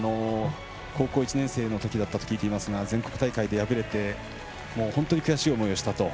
高校１年生のときだったと聞いていますが全国大会で敗れて本当に悔しい思いをしたと。